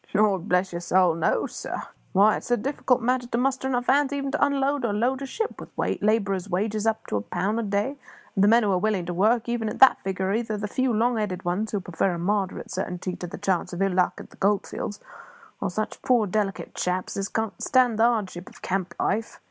"Lord bless your soul, no, sir! Why, it's a difficult matter to muster hands enough even to unload or load a ship, with labourer's wages up to a pound a day; and the men who are willing to work even at that figure are either the few long headed ones who prefer a moderate certainty to the chance of ill luck at the gold fields, or such poor delicate chaps as can't stand the hardships of camp life.